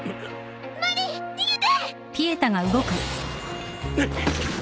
マリン逃げて！